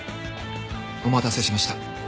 お待たせしました。